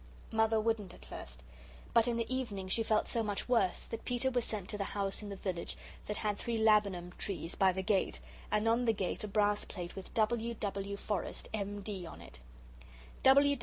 Mother wouldn't at first, but in the evening she felt so much worse that Peter was sent to the house in the village that had three laburnum trees by the gate, and on the gate a brass plate with W. W. Forrest, M.D., on it.